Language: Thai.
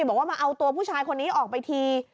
บอกว่าเอาผู้ชายคนอันนี้ออกไปที